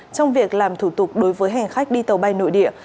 trong việc làm thủ tục đối với hành khách đi tàu bay nội địa